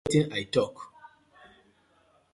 Shey yu go do wetin I tok.